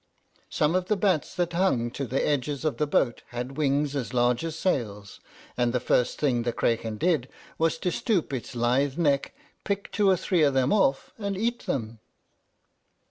Some of the bats that hung to the edges of the boat had wings as large as sails; and the first thing the Craken did was to stoop its lithe neck, pick two or three of them off, and eat them.